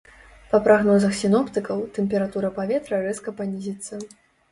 Па прагнозах сіноптыкаў, тэмпература паветра рэзка панізіцца.